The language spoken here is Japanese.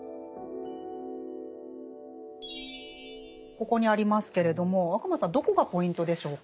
ここにありますけれども若松さんどこがポイントでしょうか？